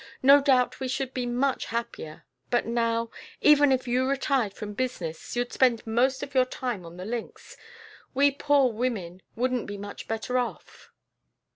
No doubt we should be much happier. But now even if you retired from business, you'd spend most of your time on the links. We poor women wouldn't be much better off."